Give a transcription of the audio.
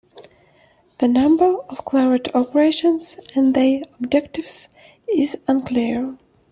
The number of Claret operations and their objectives is unclear.